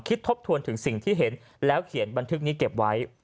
ทบทวนถึงสิ่งที่เห็นแล้วเขียนบันทึกนี้เก็บไว้